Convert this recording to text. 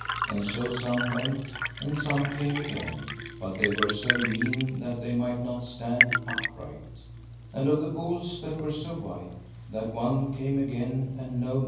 And so some went, and some came again, but they were so lean that they might not stand upright; and of the bulls that were so white, that one came again and no mo.